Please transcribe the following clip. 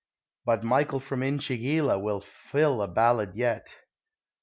But Michael from Inchigeela will fill a ballad yet.